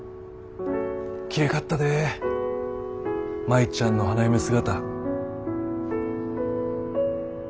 きれいかったで舞ちゃんの花嫁姿。